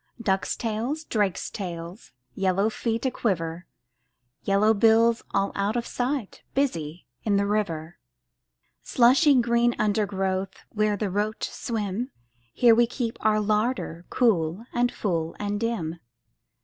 Ducks' tails, drakes' tails, Yellow feet a quiver. Yellow bills all out of sight, Busy in the river! Slushy green undergrowth Where the roach swim — Here we keep our larder, Cool and full and dim.